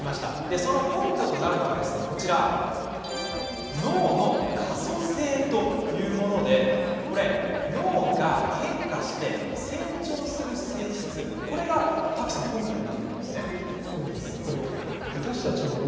その根拠となるのが脳の可塑性というものでこれは脳が変化して成長する性質これが根拠になっているんですね。